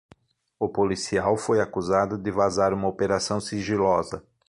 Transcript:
O policial foi acusado de vazar uma operação sigilosa.